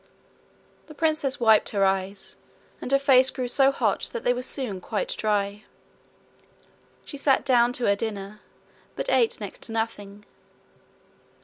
The princess wiped her eyes, and her face grew so hot that they were soon quite dry. She sat down to her dinner, but ate next to nothing.